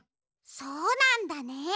そうなんだね。